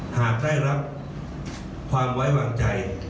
หากได้รับความไว้วางใจ